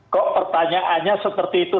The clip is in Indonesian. kok pertanyaannya seperti itu